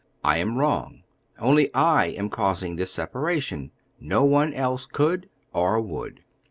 I am wrong. Only I am causing this separation; no one else could or would.